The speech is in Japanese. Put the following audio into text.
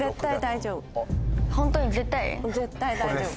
絶対大丈夫。